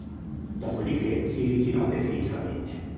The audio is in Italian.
Dopodiché si ritirò definitivamente.